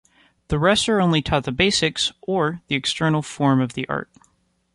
The rest are only taught the 'basics' or the external form of the art.